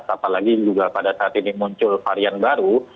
apalagi juga pada saat ini muncul varian baru